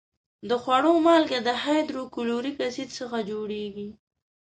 د خوړو مالګه د هایدروکلوریک اسید څخه جوړیږي.